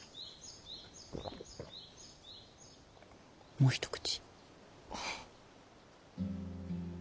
もう一口。